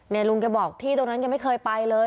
ลุงแกบอกที่ตรงนั้นแกไม่เคยไปเลย